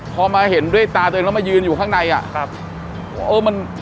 พอมาเห็นด้วยตาตัวเองแล้วมายืนอยู่ข้างในอ่ะครับ